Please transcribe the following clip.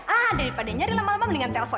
ah daripada nyari lama lama mendingan telpon